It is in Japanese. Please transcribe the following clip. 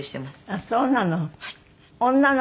あっそうなの。